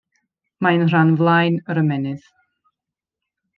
Mae yn rhan flaen yr ymennydd.